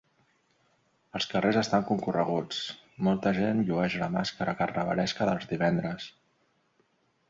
Els carrers estan concorreguts; molta gent llueix la màscara carnavalesca dels divendres.